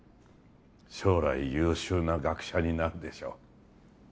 将来優秀な学者になるでしょう